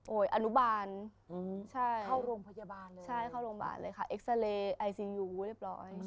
อนุบาลเข้าโรงพยาบาลเลยใช่เข้าโรงพยาบาลเลยค่ะเอ็กซาเรย์ไอซียูเรียบร้อย